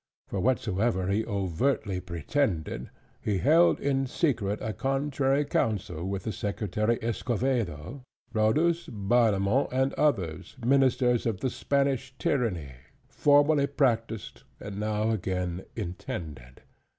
For whatsoever he overtly pretended, he held in secret a contrary counsel with the Secretary Escovedo, Rhodus, Barlemont, and others, ministers of the Spanish tyranny, formerly practised, and now again intended.